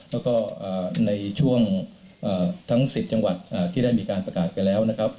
แล้วก็ในช่วงทั้ง๑๐จังหวัดที่ได้มีการประกาศไปแล้วนะครับ